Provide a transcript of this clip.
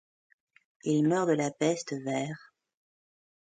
Il meurt de la peste vers -.